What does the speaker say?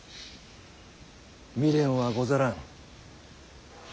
未練はござらん。